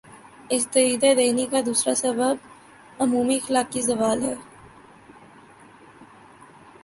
اس دریدہ دہنی کا دوسرا سبب عمومی اخلاقی زوال ہے۔